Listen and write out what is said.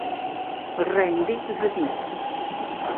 Randy Smith